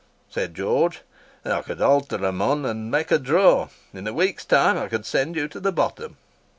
Said George, "I could alter her, man, and make her draw: in a week's time I could send you to the bottom."